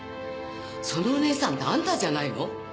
そのお姉さんってあんたじゃないの？